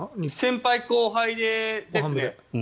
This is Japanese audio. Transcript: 先輩後輩ですね。